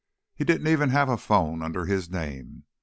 He didn't even have a phone under his own name.